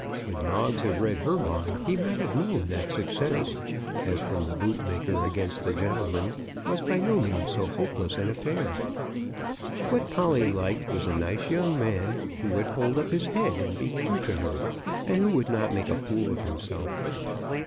Could Moggs have read her mind, he might have known that success, as from the bootmaker against the gentleman, was by no means so hopeless an affair. What Polly liked was a nice young man, who would hold up his head and be true to her, and who would not make a fool of himself.